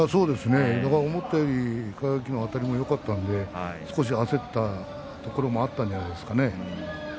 思ったより輝のあたりもよかったので少し焦ったところもあったんじゃないですかね。